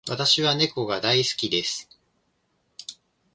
私は猫が大好きです。